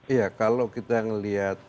iya kalau kita melihat